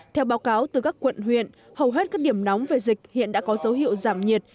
theo báo cáo từ các quận huyện hầu hết các điểm nóng về dịch hiện đã có dấu hiệu giảm nhiệt